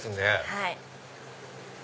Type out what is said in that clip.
はい。